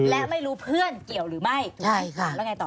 และไม่รู้เพื่อนเกี่ยวหรือไม่ถูกใช่ค่ะแล้วไงต่อ